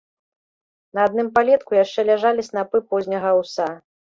На адным палетку яшчэ ляжалі снапы позняга аўса.